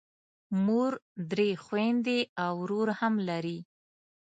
مور، درې خویندې او ورور هم لرم.